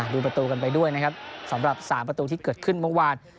ดูประตูกันไปด้วยนะครับสำหรับ๓ประตูที่เกิดขึ้นเมื่อวาน